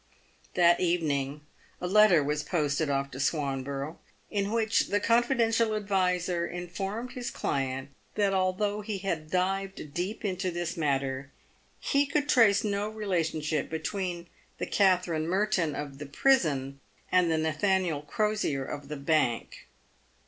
That evening a letter was PAYED WITH GOLD, 247 posted off to Swanborough, in which the confidential adviser in formed his client that, although he had dived deep into this matter, he could trace no relationship between the Katherine Merton of the prison and the Nathaniel Crosier of the bank.